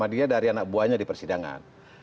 dia dari anak buahnya di persidangan